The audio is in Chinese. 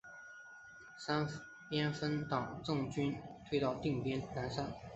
三边分区党政军退到定边南山。